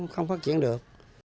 không phát triển được